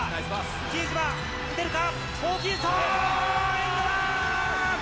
比江島、打てるか？